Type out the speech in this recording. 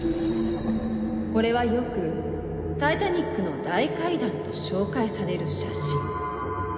これはよく「タイタニックの大階段」と紹介される写真。